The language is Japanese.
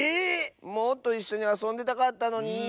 もっといっしょにあそんでたかったのに。